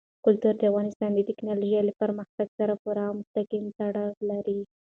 کلتور د افغانستان د تکنالوژۍ له پرمختګ سره پوره او مستقیم تړاو لري.